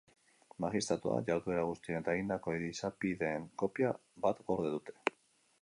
Magistratuak jarduera guztien eta egindako izapideen kopia bat gorde du.